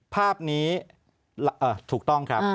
ภาพนี้ถูกต้องครับ